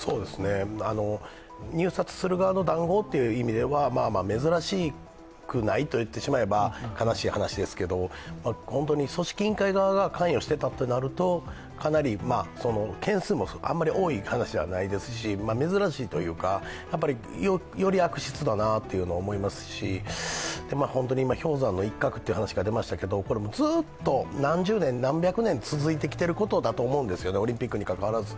入札する側の談合という意味では、まあまあ珍しくないと言ってしまえば悲しい話ですけど、組織委員会側が関与してたってなるとかなり件数もあまり多い話ではないですし珍しいというか、やっぱりより悪質だなというのを思いますし、今、氷山の一角っていう話が出ましたけどずっと何十年何百年と続いてきてることだと思うんです、オリンピックにかかわらず。